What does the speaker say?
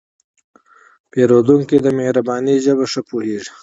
پیرودونکی د مهربانۍ ژبه ښه پوهېږي.